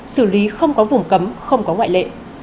xử lý không có vùng cấm không có ngoại lệ